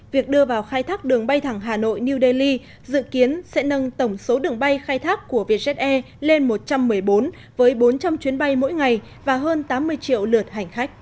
việc đưa vào khai thác đường bay thẳng hà nội new delhi dự kiến sẽ nâng tổng số đường bay khai thác của vietjet air lên một trăm một mươi bốn với bốn trăm linh chuyến bay mỗi ngày và hơn tám mươi triệu lượt hành khách